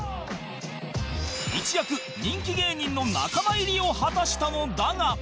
一躍人気芸人の仲間入りを果たしたのだが